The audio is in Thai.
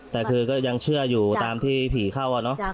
แต่คือก็ยังเชื่ออยู่ตามที่ผีเข้าเนอะ